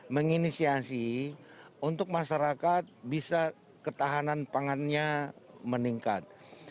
menginisiasi untuk masyarakat bisa ketahanan pangannya meningkat